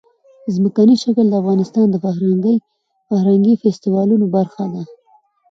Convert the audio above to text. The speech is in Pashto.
ځمکنی شکل د افغانستان د فرهنګي فستیوالونو برخه ده.